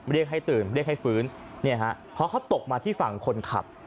เรียกให้ตื่นเรียกให้ฟื้นเนี่ยฮะเพราะเขาตกมาที่ฝั่งคนขับ